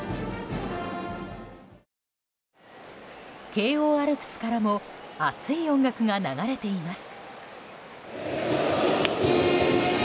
慶応アルプスからも熱い音楽が流れています。